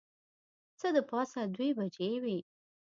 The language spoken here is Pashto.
څه د پاسه دوې بجې وې.